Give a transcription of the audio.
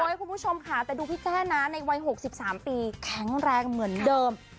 คุณผู้ชมค่ะแต่ดูพี่แจ้นะในวัย๖๓ปีแข็งแรงเหมือนเดิม